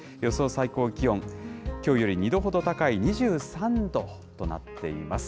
最高気温、きょうより２度ほど高い２３度となっています。